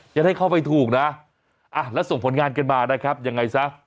จะได้เข้าไปถูกนะแล้วส่งผลงานกันมานะครับยังไงซะ